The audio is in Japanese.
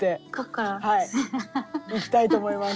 いきたいと思います。